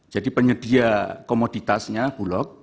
jadi penyedia komoditasnya bulog